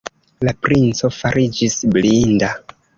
La princo fariĝis blinda.